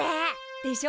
でしょ？